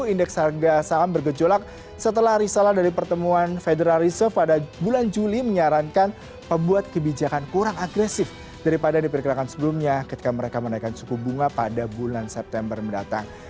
indeks harga saham bergejolak setelah risalah dari pertemuan federal reserve pada bulan juli menyarankan pembuat kebijakan kurang agresif daripada diperkirakan sebelumnya ketika mereka menaikkan suku bunga pada bulan september mendatang